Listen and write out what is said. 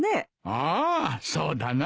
ああそうだな。